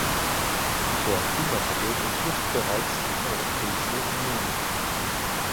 Der Klimawandel betrifft bereits die Europäische Union.